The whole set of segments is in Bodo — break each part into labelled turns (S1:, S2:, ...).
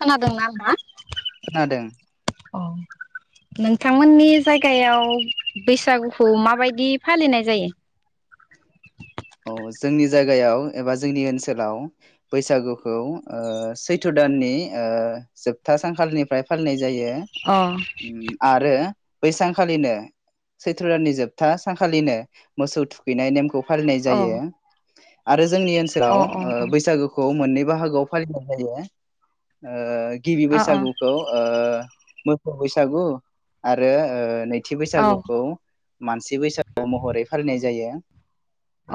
S1: खोनादोंना नोंथाङा?
S2: खोनादों
S1: औ नोंथांमोननि जायगायाव बैसागुखौ माबायदि फालिनाय जायो?
S2: औ जोंनि जायगायाव एबा जोंनि ओनसोलाव बैसागुखौ सैथ दाननि जोबथा सानखालिनिफ्राय फालिनाय जायो
S1: अ
S2: जायो आरो बै सानखालिनो सैत्र दाननि जोबथा सानखालिनो मोसौ थुखैनाय नेमखौ फालियो
S1: अ
S2: जायो आरो जोंनि
S1: अ
S2: ओनसोलाव
S1: अ
S2: बैसागुखौ मोननै बाहागोआव फालिनाय जायो गिबि
S1: अ
S2: बैसागुखौ ओ मोसौ बैसागु आरो नै थि
S1: अ औ
S2: बैसागुखौ मानसि बैसागु महरै फालिनाय जायो।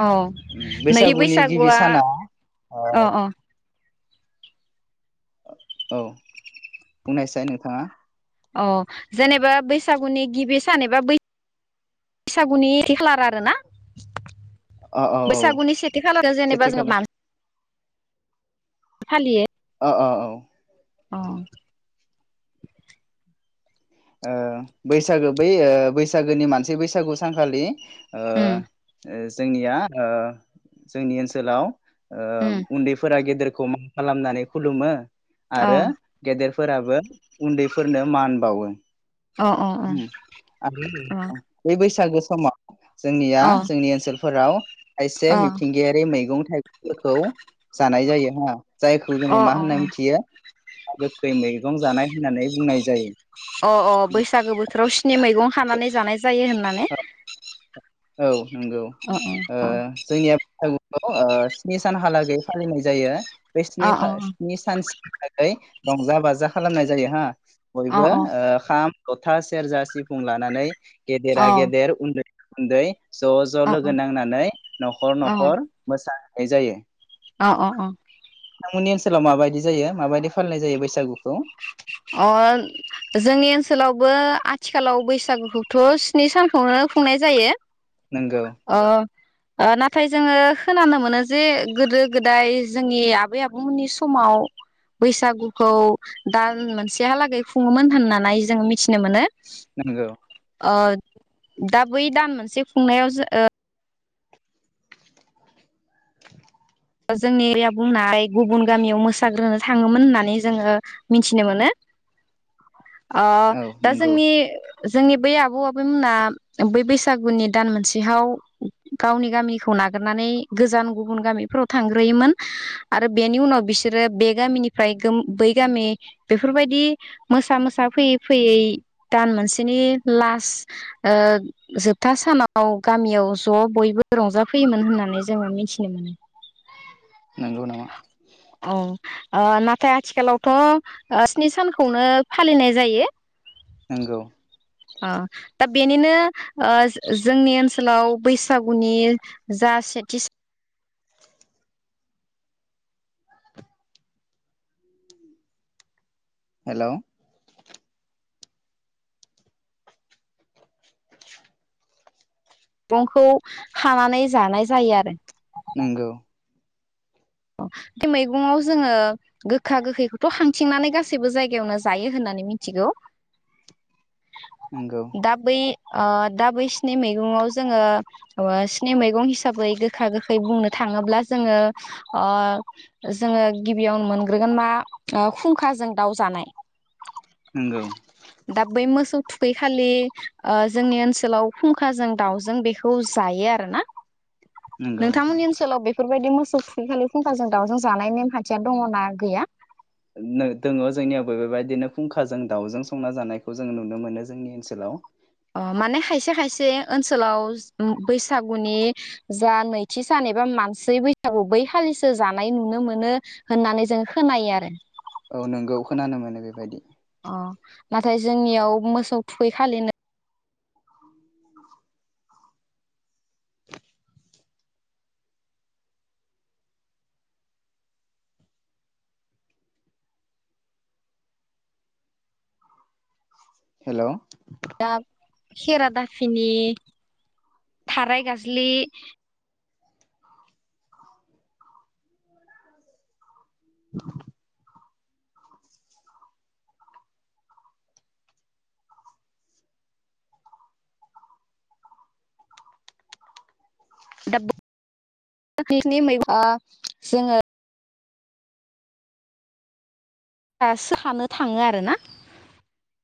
S1: अ
S2: उम,
S1: नै
S2: बैसागुनि गिबि
S1: बैसागुआ
S2: साना ओ
S1: अ अ
S2: औ बुंनायसाय नोंथाङा?
S1: अ जेनेबा बैसागुनि गिबि सान एबा बैसागुनि नै खालार आरो ना।
S2: अ औ औ
S1: बैसागुनि सेथि खालारो जेनेबा
S2: सेथि
S1: जों
S2: खालार
S1: मान फालियो।
S2: ओ औ
S1: औ
S2: ओ बैसागो बै बैसागोनि मानसि बैसागु सानखालि ओ
S1: उम
S2: जोंनिया ओ जोंनि ओनसोलाव ओ
S1: उम
S2: उन्दैफोरा गेदेर खौ मान खालामनानै खुलुमो।
S1: अ
S2: आरो गेदेर फोराबो उन्दैफोरनो मान बावो।
S1: अ अ
S2: अम आरो बे बैसागु समा जोंनिया
S1: अ
S2: जोंनि ओनसोल फोराव थायसे मिथिंगायारि मैगं थाइगं फोरखौ जानाय जायो हा जायखौ
S1: अ
S2: जोंङो मा होनना
S1: अ
S2: मिथियो गोखै मैगं जानाय होननानै बुंनाय जायो।
S1: [inaudible] अ अ बैसागो बोथोराव स्नि मैगं हानानै जानाय जायो। जायो होननानै
S2: औ। नंगौ
S1: अ
S2: ओ
S1: अ
S2: जोंनिया औ औ ओ स्नि सानहालागै फालिनाय जायो। बे
S1: अ
S2: स्निखा
S1: अ
S2: स्नि सानसि थाखाय रंजा बाजा खालामनाय जायो हा।
S1: अ
S2: बयबो
S1: अ
S2: ओ खाम जथा सेरजा सिफुं लानानै
S1: अ
S2: गेदेरा गेदेर उन्दै गुन्दै ज' ज'
S1: अ
S2: लोगो नांनानै न'खर न'खर मोसा जायो।
S1: अ अ अ
S2: नोंथांमोननि ओनसोलाव माबायदि जायो माबायदि फालिनाय जायो बैसागुखौ?
S1: अ जोंनि ओनसोलावबो आथिखालाव बैसागुखौथ' स्नि सानखौनो खुंनाय जायो।
S2: नोंगौ
S1: अ ओ नाथाय जोंङो खोनानो मोनो जे गोदो गोदाय जोंनि आबै आबौमोननि समाव बैसागुखौ दा मोनसेहालागै खुङोमोन होननानै जोङो मिथिनो मोनो।
S2: नंगौ
S1: ओ दा बै दान मोनसे खुंनायाव जो ओ जोंनि एरिया बुंनाय गुबुन गामियाव मोसाग्रोनो थाङोमोन होननानै जोङो मिथिनो मोनो। ओ
S2: औ
S1: दा
S2: नंगौ
S1: जोंनि जोंनि बै आबौ आबैमोना बै बैसागुनि दान मोनसेहाव गावनि गामिखौ नागारनानै गोजान गुबुन गामिफोराव थांग्रोयोमोन आरो बेनि उनाव बिसोरो बे गामिनिफ्राय बै गामि बेफोरबायदि मोसा मोसा फैयै फैयै दान मोनसेनि लास्ट ओ जोबथा सानाव गामियाव ज' बयबो रंजाफैयोमोन होननानै जोङो मिथिनो मोनो।
S2: नोंगौ नामा?
S1: औ ओ नाथाय आथिखालावथ' ओ स्नि सानखौनो फालिनाय जायो।
S2: नोंगौ
S1: ओ दा बेनिनो जोंनि ओनसोलाव बैसागुनि जा सेथि
S2: हेलौ [inaudible]
S1: फांखौ हानानै जानाय जायो आरो।
S2: नंगौ
S1: बे मैगङाव जोङो गोखा गोखैखौथ' हांथिंनानै गासैबो जायगायावनो जायो होननानै मिथिगौ।
S2: नंगौ
S1: दा बै। ओ दा बै सिनि मैगंआव जोङो स्नि मैगं हिसाबै गोखा गोखै बुंनो थाङोब्ला जोङो ओ जोङो गिबियावनो मोनग्रोगोन मा खुंखाजों दाउ जानाय।
S2: नंगौ
S1: दा बै मोसौ खालि जोंनि ओनसोलाव फुंखाजों दाउजों बेखौ जायो आरो ना।
S2: नंगौ
S1: नोंथांमोननि ओनसोलाव बेफोरबायदि मो सौ थुखैखालि फुंखाजों दाउजों जानायनि नेमखान्थिया दङनाा गैया?
S2: दङ जोंनियावबो बेबायदिनो फुंखाजों दाउजों संना जानायखौ जों नुनो मोनो जोंनि ओनसोलाव।
S1: अ माने खायसे खायसे ओनसोलाव बैसागुनि जा नैथि सान एबा मानसि बैसागु बै खालिसो जानाय नुनो मोनो होननानै जों खोनायो आरो।
S2: औ नोंगौ खोनानो मोनो बेबायदि।
S1: अ नाथाय जोंनियाव मोसौ थुखै खालिनो
S2: हेलौ
S1: दा खेरादाफिनि थाराय गाज्लि
S2: [inaudible]
S1: दाबौ नि मै ओ जोङो दासो हानो थाङो आरो ना।